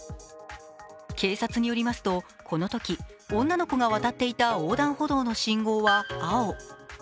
警察によりますと、このとき女の子の渡っていた横断歩道の信号は青。